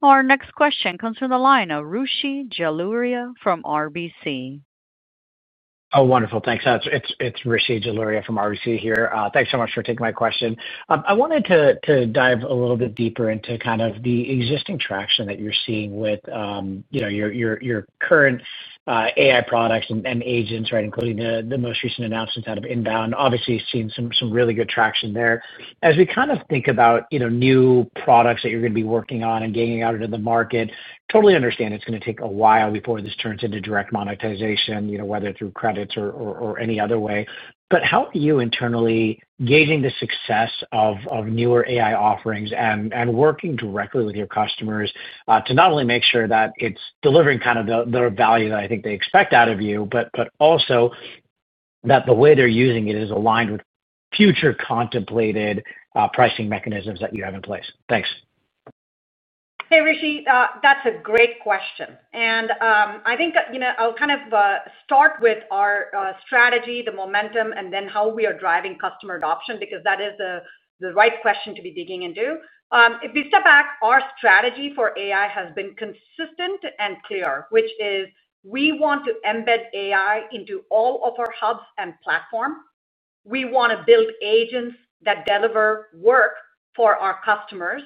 Our next question comes from the line of Rishi Jaluria from RBC. Oh, wonderful. Thanks. It's Rishi Jaluria from RBC here. Thanks so much for taking my question. I wanted to dive a little bit deeper into kind of the existing traction that you're seeing with your current AI products and agents, right, including the most recent announcements out of Inbound. Obviously, seeing some really good traction there. As we kind of think about new products that you're going to be working on and getting out into the market, totally understand it's going to take a while before this turns into direct monetization, whether through credits or any other way. How are you internally gauging the success of newer AI offerings and working directly with your customers to not only make sure that it's delivering kind of the value that I think they expect out of you, but also that the way they're using it is aligned with future contemplated pricing mechanisms that you have in place? Thanks. Hey, Rishi, that's a great question. I think I'll kind of start with our strategy, the momentum, and then how we are driving customer adoption because that is the right question to be digging into. If we step back, our strategy for AI has been consistent and clear, which is we want to embed AI into all of our hubs and platforms. We want to build agents that deliver work for our customers,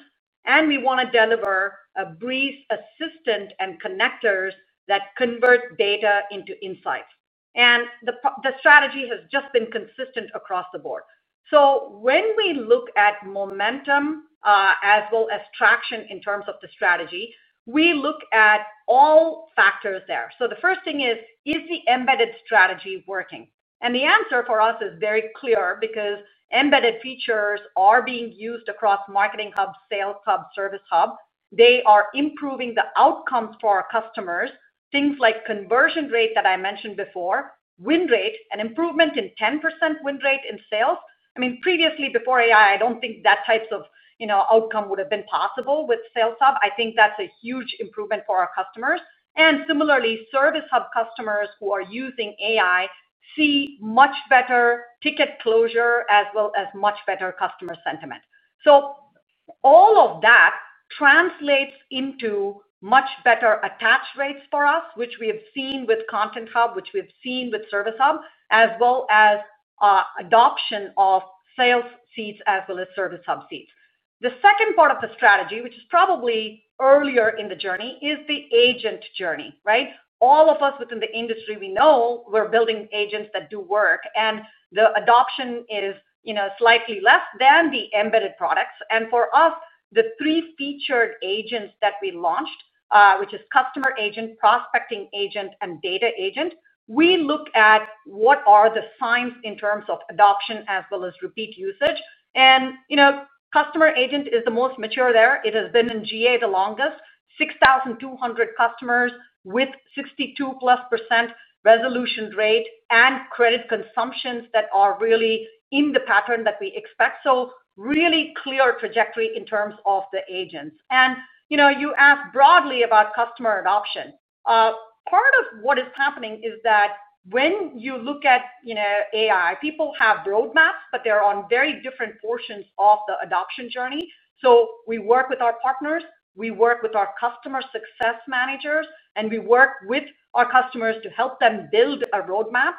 and we want to deliver a Breeze Assistant and connectors that convert data into insights. The strategy has just been consistent across the board. When we look at momentum as well as traction in terms of the strategy, we look at all factors there. The first thing is, is the embedded strategy working? The answer for us is very clear because embedded features are being used across Marketing Hub, Sales Hub, Service Hub. They are improving the outcomes for our customers, things like conversion rate that I mentioned before, win rate, an improvement in 10% win rate in sales. I mean, previously, before AI, I do not think that type of outcome would have been possible with Sales Hub. I think that is a huge improvement for our customers. Similarly, Service Hub customers who are using AI see much better ticket closure as well as much better customer sentiment. All of that. Translates into much better attach rates for us, which we have seen with Content Hub, which we have seen with Service Hub, as well as adoption of sales seats as well as Service Hub seats. The second part of the strategy, which is probably earlier in the journey, is the agent journey, right? All of us within the industry, we know we're building agents that do work, and the adoption is slightly less than the embedded products. For us, the three featured agents that we launched, which are Customer Agent, Prospecting Agent, and Data Agent, we look at what are the signs in terms of adoption as well as repeat usage. Customer Agent is the most mature there. It has been in GA the longest, 6,200 customers with 62+% resolution rate and credit consumptions that are really in the pattern that we expect. Really clear trajectory in terms of the agents. You asked broadly about customer adoption. Part of what is happening is that when you look at AI, people have roadmaps, but they're on very different portions of the adoption journey. We work with our partners, we work with our customer success managers, and we work with our customers to help them build a roadmap.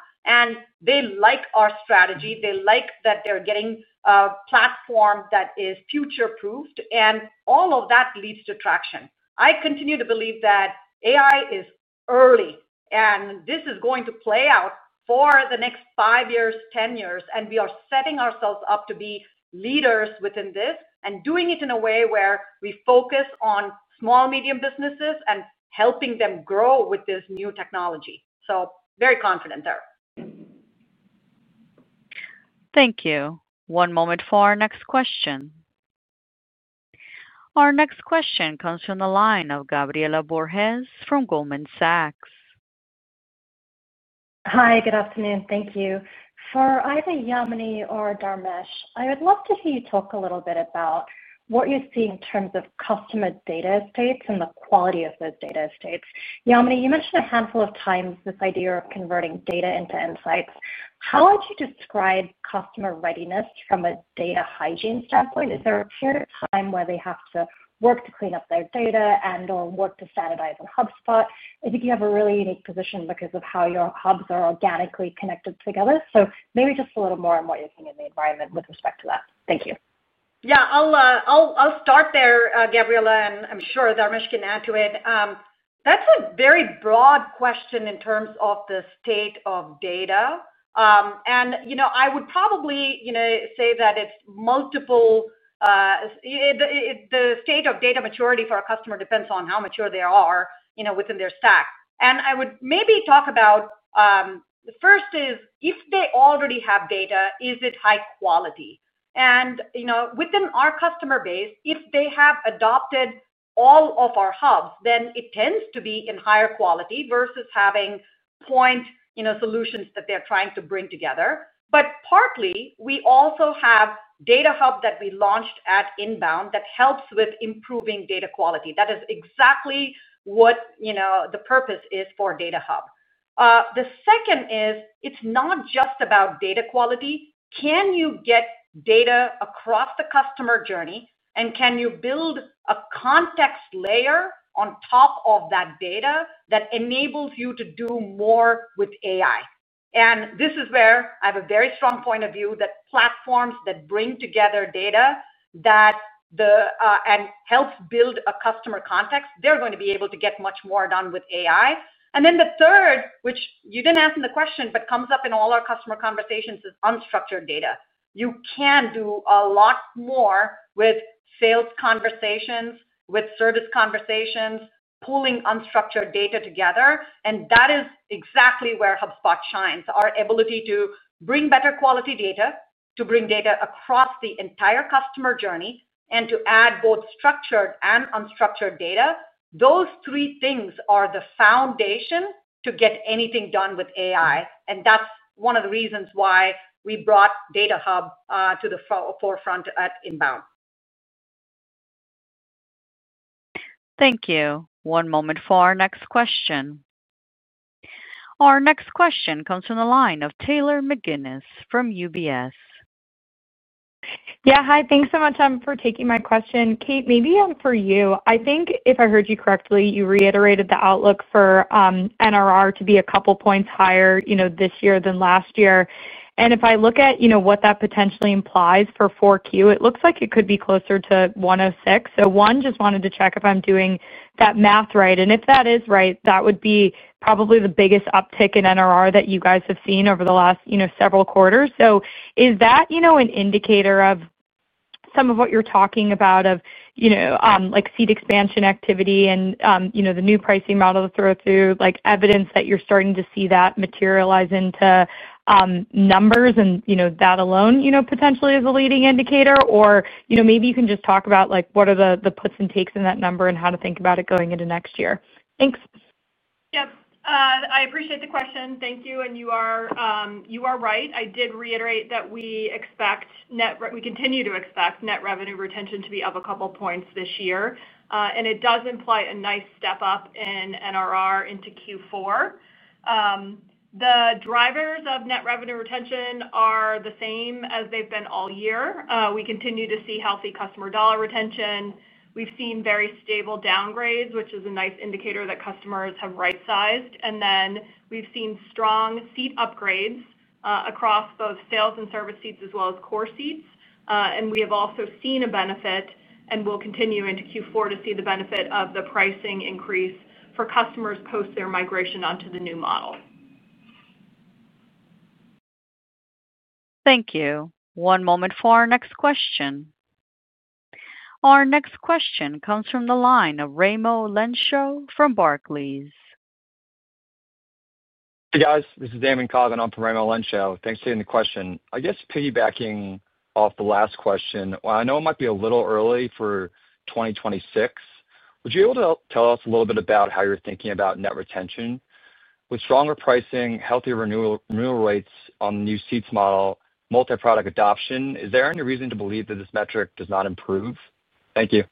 They like our strategy. They like that they're getting a platform that is future-proofed, and all of that leads to traction. I continue to believe that AI is early, and this is going to play out for the next five years, ten years, and we are setting ourselves up to be leaders within this and doing it in a way where we focus on small, medium businesses and helping them grow with this new technology. Very confident there. Thank you. One moment for our next question. Our next question comes from the line of Gabriela Borges from Goldman Sachs. Hi, good afternoon. Thank you. For either Yamini or Dharmesh, I would love to hear you talk a little bit about what you see in terms of customer data estates and the quality of those data estates. Yamini, you mentioned a handful of times this idea of converting data into insights. How would you describe customer readiness from a data hygiene standpoint? Is there a period of time where they have to work to clean up their data and/or work to sanitize on HubSpot? I think you have a really unique position because of how your hubs are organically connected together. Maybe just a little more on what you're seeing in the environment with respect to that. Thank you. Yeah, I'll start there, Gabriela, and I'm sure Dharmesh can add to it. That's a very broad question in terms of the state of data. I would probably say that it's multiple. The state of data maturity for a customer depends on how mature they are within their stack. I would maybe talk about the first is if they already have data, is it high quality? Within our customer base, if they have adopted all of our hubs, then it tends to be in higher quality versus having point solutions that they're trying to bring together. Partly, we also have Data Hub that we launched at Inbound that helps with improving data quality. That is exactly what the purpose is for Data Hub. The second is it's not just about data quality. Can you get data across the customer journey, and can you build a context layer on top of that data that enables you to do more with AI? This is where I have a very strong point of view that platforms that bring together data and help build a customer context, they're going to be able to get much more done with AI. The third, which you did not ask in the question, but comes up in all our customer conversations, is unstructured data. You can do a lot more with sales conversations, with service conversations, pulling unstructured data together. That is exactly where HubSpot shines, our ability to bring better quality data, to bring data across the entire customer journey, and to add both structured and unstructured data. Those three things are the foundation to get anything done with AI. That is one of the reasons why we brought Data Hub to the forefront at Inbound. Thank you. One moment for our next question. Our next question comes from the line of Taylor McGinnis from UBS. Yeah, hi. Thanks so much for taking my question. Kate, maybe for you. I think if I heard you correctly, you reiterated the outlook for NRR to be a couple points higher this year than last year. And if I look at what that potentially implies for Q4, it looks like it could be closer to 106. One, just wanted to check if I am doing that math right. And if that is right, that would be probably the biggest uptick in NRR that you guys have seen over the last several quarters. Is that an indicator of some of what you are talking about of. Seed expansion activity and the new pricing model to throw through, evidence that you're starting to see that materialize into numbers and that alone potentially is a leading indicator? Maybe you can just talk about what are the puts and takes in that number and how to think about it going into next year. Thanks. Yep. I appreciate the question. Thank you. You are right. I did reiterate that we expect. We continue to expect net revenue retention to be up a couple points this year. It does imply a nice step up in NRR into Q4. The drivers of net revenue retention are the same as they've been all year. We continue to see healthy customer dollar retention. We've seen very stable downgrades, which is a nice indicator that customers have right-sized. We've seen strong seat upgrades across both sales and service seats as well as core seats. We have also seen a benefit and will continue into Q4 to see the benefit of the pricing increase for customers post their migration onto the new model. Thank you. One moment for our next question. Our next question comes from the line of Raimo Lenschow from Barclays. Hey, guys. This is Damon Coggin. I'm from Raimo Lenschow. Thanks for taking the question. I guess piggybacking off the last question, I know it might be a little early for 2026. Would you be able to tell us a little bit about how you're thinking about net retention with stronger pricing, healthy renewal rates on the new seats model, multi-product adoption? Is there any reason to believe that this metric does not improve? Thank you.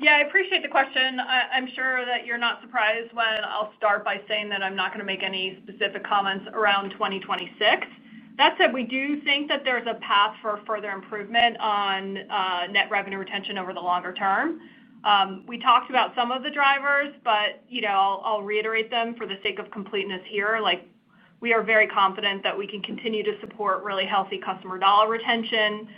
Yeah, I appreciate the question. I'm sure that you're not surprised when I'll start by saying that I'm not going to make any specific comments around 2026. That said, we do think that there's a path for further improvement on net revenue retention over the longer term. We talked about some of the drivers, but I'll reiterate them for the sake of completeness here. We are very confident that we can continue to support really healthy customer dollar retention.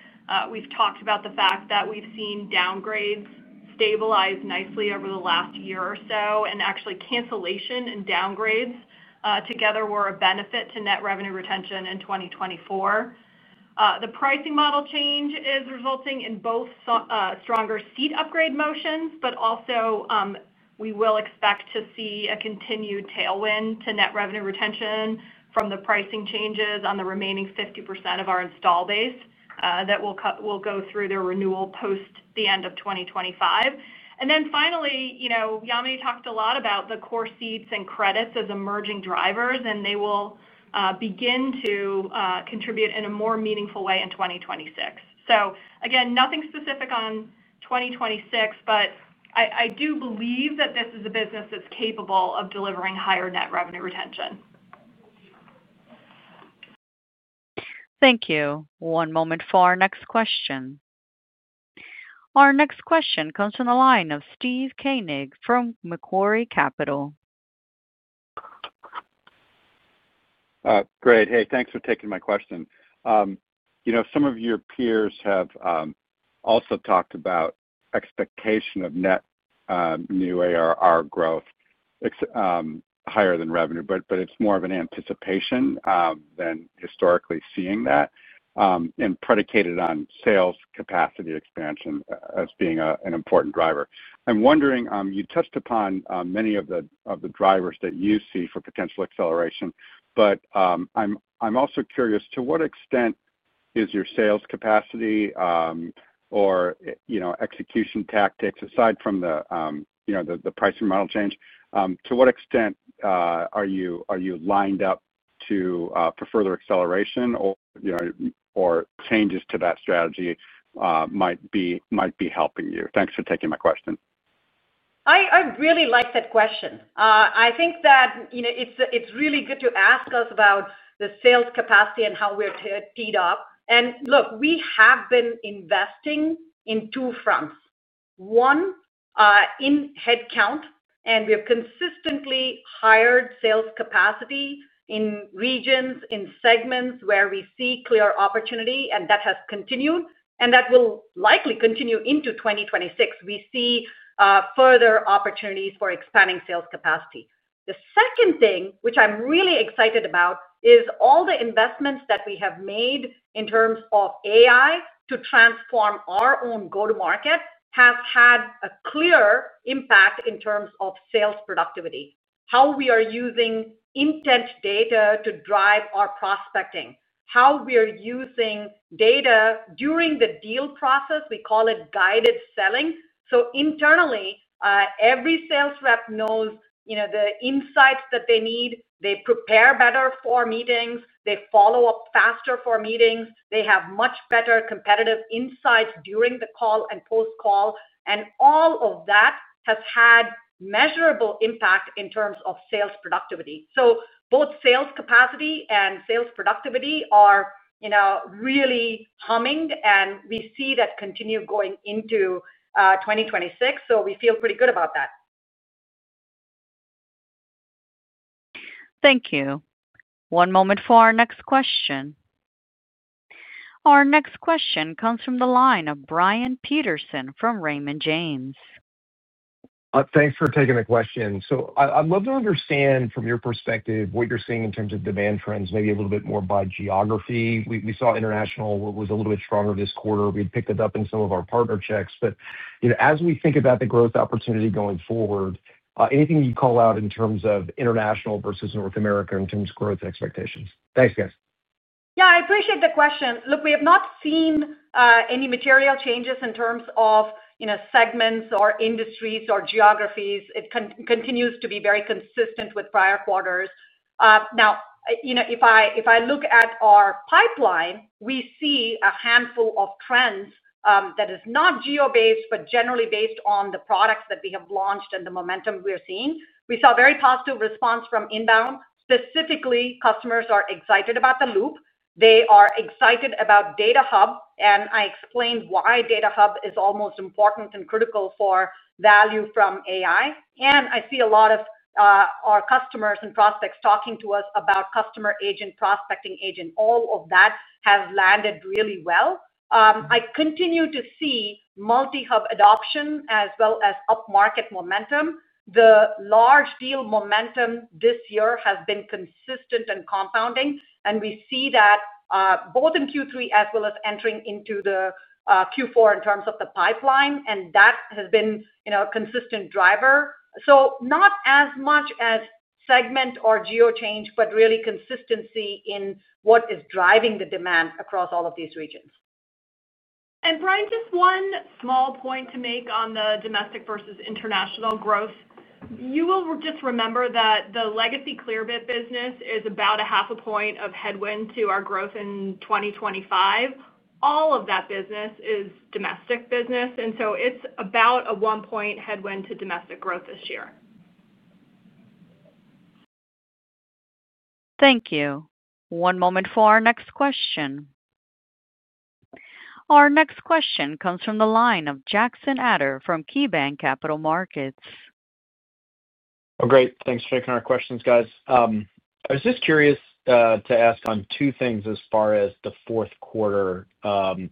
We've talked about the fact that we've seen downgrades stabilize nicely over the last year or so, and actually cancellation and downgrades together were a benefit to net revenue retention in 2024. The pricing model change is resulting in both stronger seat upgrade motions, but also. We will expect to see a continued tailwind to net revenue retention from the pricing changes on the remaining 50% of our install base that will go through their renewal post the end of 2025. Finally, Yamini talked a lot about the core seats and credits as emerging drivers, and they will begin to contribute in a more meaningful way in 2026. Again, nothing specific on 2026, but I do believe that this is a business that's capable of delivering higher net revenue retention. Thank you. One moment for our next question. Our next question comes from the line of Steve Koenig from Macquarie Capital. Great. Hey, thanks for taking my question. Some of your peers have also talked about expectation of net new ARR growth higher than revenue, but it's more of an anticipation than historically seeing that. Predicated on sales capacity expansion as being an important driver. I'm wondering, you touched upon many of the drivers that you see for potential acceleration, but I'm also curious to what extent is your sales capacity or execution tactics, aside from the pricing model change, to what extent are you lined up for further acceleration or changes to that strategy might be helping you? Thanks for taking my question. I really like that question. I think that it's really good to ask us about the sales capacity and how we're teed up. Look, we have been investing in two fronts. One, in headcount, and we have consistently hired sales capacity in regions, in segments where we see clear opportunity, and that has continued, and that will likely continue into 2026. We see further opportunities for expanding sales capacity. The second thing, which I'm really excited about, is all the investments that we have made in terms of AI to transform our own go-to-market has had a clear impact in terms of sales productivity. How we are using intent data to drive our prospecting, how we are using data during the deal process, we call it guided selling. Internally, every sales rep knows the insights that they need. They prepare better for meetings. They follow up faster for meetings. They have much better competitive insights during the call and post-call. All of that has had measurable impact in terms of sales productivity. Both sales capacity and sales productivity are really humming, and we see that continue going into 2026. We feel pretty good about that. Thank you. One moment for our next question. Our next question comes from the line of Brian Peterson from Raymond James. Thanks for taking the question. So I'd love to understand from your perspective what you're seeing in terms of demand trends, maybe a little bit more by geography. We saw international was a little bit stronger this quarter. We picked it up in some of our partner checks. But as we think about the growth opportunity going forward, anything you call out in terms of international versus North America in terms of growth expectations? Thanks, guys. Yeah, I appreciate the question. Look, we have not seen any material changes in terms of segments or industries or geographies. It continues to be very consistent with prior quarters. Now, if I look at our pipeline, we see a handful of trends that is not geo-based, but generally based on the products that we have launched and the momentum we are seeing. We saw very positive response from Inbound. Specifically, customers are excited about the Loop. They are excited about Data Hub. And I explained why Data Hub is almost important and critical for value from AI. I see a lot of our customers and prospects talking to us about Customer Agent, Prospecting Agent. All of that has landed really well. I continue to see multi-hub adoption as well as up-market momentum. The large deal momentum this year has been consistent and compounding. We see that both in Q3 as well as entering into the Q4 in terms of the pipeline. That has been a consistent driver. Not as much as segment or geo change, but really consistency in what is driving the demand across all of these regions. And Brian, just one small point to make on the domestic versus international growth. You will just remember that the legacy Clearbit business is about a half a point of headwind to our growth in 2025. All of that business is domestic business. And so it's about a one-point headwind to domestic growth this year. Thank you. One moment for our next question. Our next question comes from the line of Jackson Ader from KeyBanc Capital Markets. Great. Thanks for taking our questions, guys. I was just curious to ask on two things as far as the fourth quarter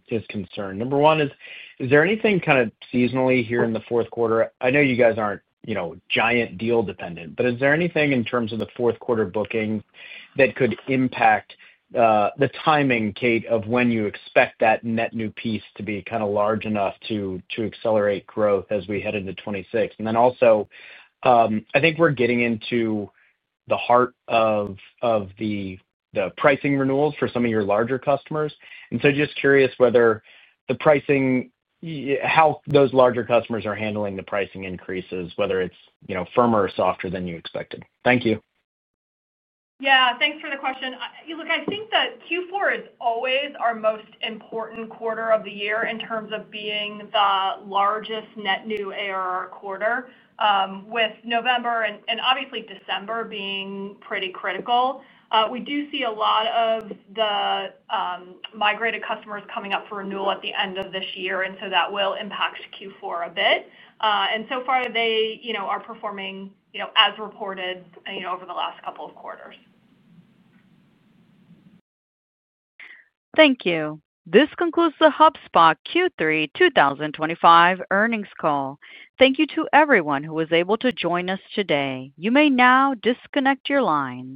is concerned. Number one is, is there anything kind of seasonally here in the fourth quarter? I know you guys aren't giant deal dependent, but is there anything in terms of the fourth quarter bookings that could impact the timing, Kate, of when you expect that net new piece to be kind of large enough to accelerate growth as we head into 2026? Also, I think we're getting into the heart of the pricing renewals for some of your larger customers, and just curious whether the pricing, how those larger customers are handling the pricing increases, whether it's firmer or softer than you expected. Thank you. Yeah. Thanks for the question. Look, I think that Q4 is always our most important quarter of the year in terms of being the largest net new ARR quarter, with November and obviously December being pretty critical. We do see a lot of the migrated customers coming up for renewal at the end of this year. That will impact Q4 a bit. So far, they are performing as reported over the last couple of quarters. Thank you. This concludes the HubSpot Q3 2025 earnings call. Thank you to everyone who was able to join us today. You may now disconnect your line.